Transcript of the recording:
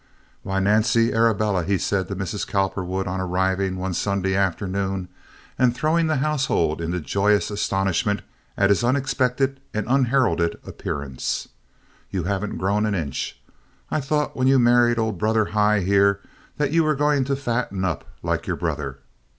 "Why, Nancy Arabella," he said to Mrs Cowperwood on arriving one Sunday afternoon, and throwing the household into joyous astonishment at his unexpected and unheralded appearance, "you haven't grown an inch! I thought when you married old brother Hy here that you were going to fatten up like your brother.